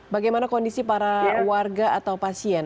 bagaimana kondisi para warga atau pasien